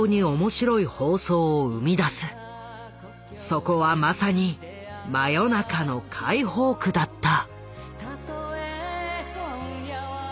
そこはまさに真夜中の解放区だった。